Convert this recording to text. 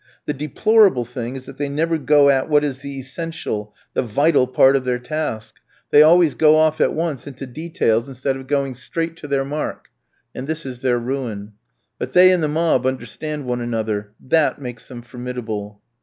The deplorable thing is that they never go at what is the essential, the vital part of their task, they always go off at once into details instead of going straight to their mark, and this is their ruin. But they and the mob understand one another; that makes them formidable.